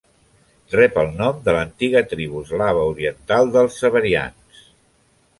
Rep el nom de l'antiga tribu eslava oriental dels severians.